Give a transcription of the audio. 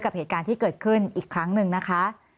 กับเหตุการณ์ที่เกิดขึ้นอีกครั้งหนึ่งนะคะ